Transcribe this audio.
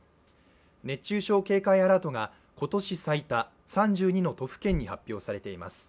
熱中症警戒アラートが今年最多３２の都府県に発表されています。